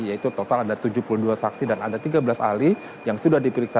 yaitu total ada tujuh puluh dua saksi dan ada tiga belas ahli yang sudah diperiksa